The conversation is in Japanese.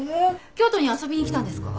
京都に遊びに来たんですか？